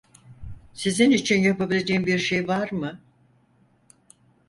Sizin için yapabileceğim bir şey var mı?